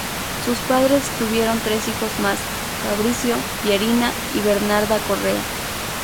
Sus padres tuvieron tres hijos más: Fabricio, Pierina y Bernarda Correa.